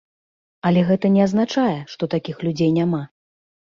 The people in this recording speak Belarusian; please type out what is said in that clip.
Але гэта не азначае, што такіх людзей няма.